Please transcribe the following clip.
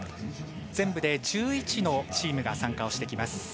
全部で１１のチームが参加してきます。